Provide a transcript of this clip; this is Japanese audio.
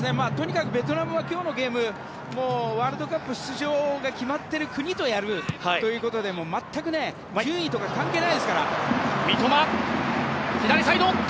とにかくベトナムは今日のゲームワールドカップ出場が決まっている国とやるということで全く、順位とか関係ないですから。